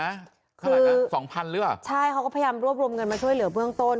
ขนาดสองพันหรือเปล่าใช่เขาก็พยายามรวบรวมเงินมาช่วยเหลือเบื้องต้น